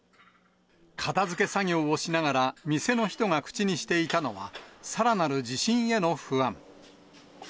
片づけ作業をしながら、店の人が口にしていたのは、さらなる地震への不安。